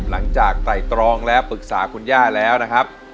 ไตรตรองแล้วปรึกษาคุณย่าแล้วนะครับ